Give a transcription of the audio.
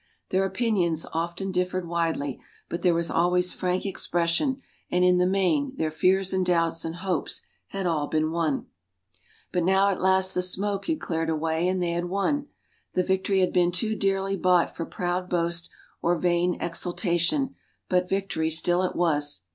Their opinions often differed widely, but there was always frank expression and, in the main, their fears and doubts and hopes had all been one. But now at last the smoke had cleared away, and they had won. The victory had been too dearly bought for proud boast or vain exultation, but victory still it was.